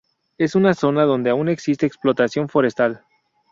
Es una zona donde aún existe explotación forestal.